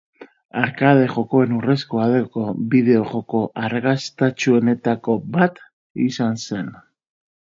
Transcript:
Arkade jokoen Urrezko Aroko bideo-joko arrakastatsuenetako bat izan zen.